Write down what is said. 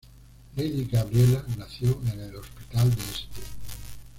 Lady Gabriella nació en el Hospital de St.